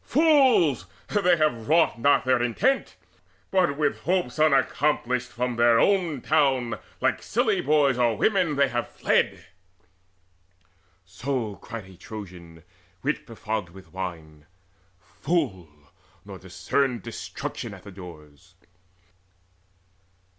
Fools, they have wrought not their intent, But with hopes unaccomplished from our town Like silly boys or women have they fled." So cried a Trojan wit befogged with wine, Fool, nor discerned destruction at the doors.